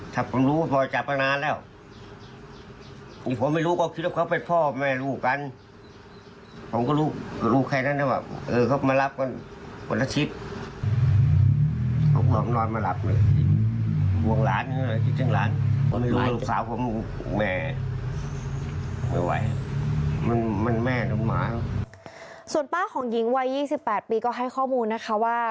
ส่วนป้าของป้าของหญิงวัย๒๘ปีก็ให้ข้อมูลนะคะว่า